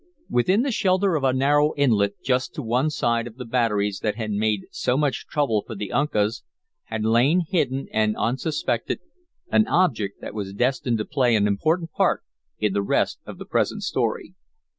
Within the shelter of a narrow inlet just to one side of the batteries that had made so much trouble for the Uncas had lain hidden and unsuspected an object that was destined to play an important part in the rest of the present story.